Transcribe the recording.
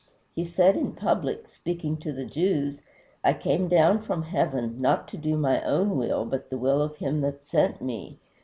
He said in public, speaking to the Jews, "I came down from heaven, not to do my own will, but the will of him that sent me."